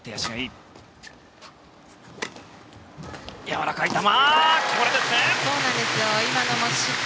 やわらかい球！